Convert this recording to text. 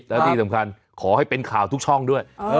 แล้วที่สำคัญขอให้เป็นข่าวทุกช่องด้วย